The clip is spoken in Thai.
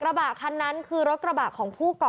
เพราะถูกทำร้ายเหมือนการบาดเจ็บเนื้อตัวมีแผลถลอก